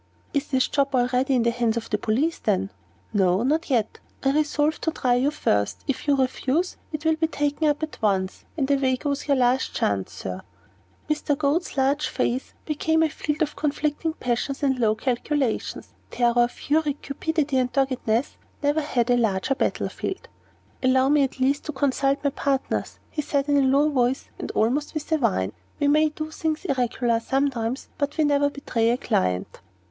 "Is this job already in the hands of the police, then?" "No, not yet. I resolved to try you first. If you refuse, it will be taken up at once; and away goes your last chance, Sir." Mr. Goad's large face became like a field of conflicting passions and low calculations. Terror, fury, cupidity, and doggedness never had a larger battle field. "Allow me at least to consult my partners," he said, in a low voice and almost with a whine; "we may do things irregular sometimes, but we never betray a client."